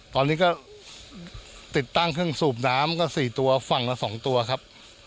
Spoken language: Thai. ตอนนี้ก็ติดตั้งเครื่องสูบน้ำก็๔ตัวฝั่งละ๒ตัวครับ